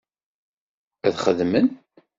Ad xedmen.